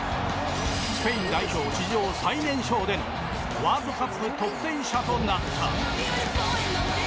スペイン代表史上最年少でのワールドカップ得点者となった。